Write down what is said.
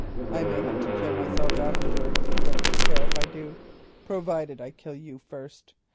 I may have to kill myself afterwards—I don't care if I do, provided I kill you first.